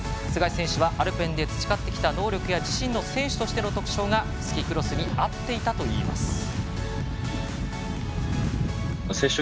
須貝選手はアルペンスキーで培ってきた能力や自身の選手としての特徴がスキークロスに合っていたといいます。